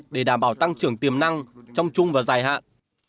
để đảm bảo tăng trưởng tiềm năng trong chung và dài hạn